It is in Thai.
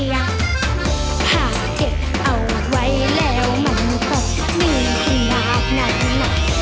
ถ้าเท็จเอาไว้แล้วมันก็มีใครหาเงิน